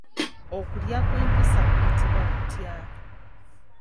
Okulya kw'empisa kuyitibwa kutya?